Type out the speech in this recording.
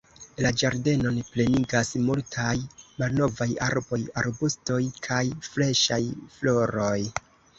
La ĝardenon plenigas multaj malnovaj arboj, arbustoj kaj freŝaj floroj.